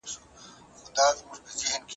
که مهارت وي نو وخت نه لګیږي.